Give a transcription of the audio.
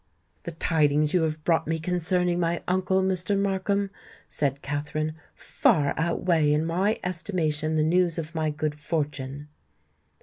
"The tidings you have brought me concerning my uncle, Mr. Markham," said Katherine, "far outweigh in my estimation the news of my good fortune."